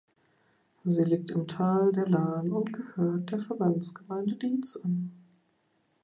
Sie liegt im Tal der Lahn und gehört der Verbandsgemeinde Diez an.